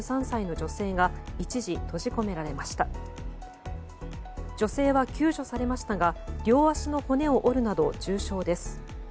女性は、救助されましたが両足の骨を折るなど重傷です。